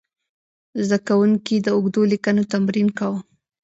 زده کوونکي د اوږدو لیکنو تمرین کاوه.